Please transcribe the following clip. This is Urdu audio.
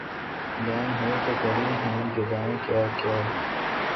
بہم ہوئے تو پڑی ہیں جدائیاں کیا کیا